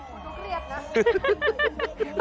ขูนกเลียบนะ